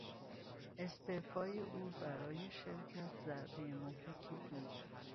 استعفای او برای شرکت ضربهی مهلکی بود.